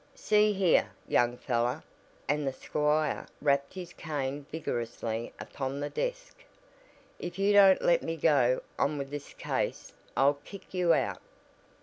"See here young feller!" and the squire rapped his cane vigorously upon the desk, "if you don't let me go on with this case I'll kick you out."